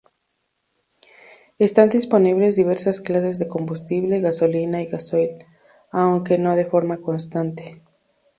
Están disponibles diversas clases de combustible, gasolina y gasoil, aunque no de forma constante.